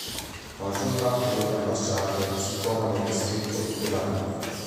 La maggior parte delle ambasciate si trova nel distretto di Tel Aviv.